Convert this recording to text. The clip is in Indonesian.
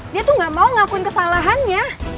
dia tuh gak mau ngakuin kesalahannya